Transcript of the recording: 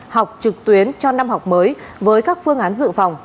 học trực tuyến cho năm học mới với các phương án dự phòng